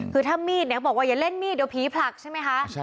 คือถ้ามีดเนี่ยบอกว่าอย่าเล่นมีดเดี๋ยวผีผลักใช่ไหมคะ